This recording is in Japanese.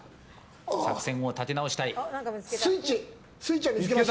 作戦を立て直したい。